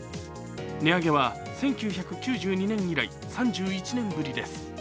値上げは１９９２年以来３１年ぶりです。